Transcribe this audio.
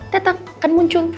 datang akan muncul